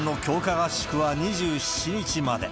合宿は２７日まで。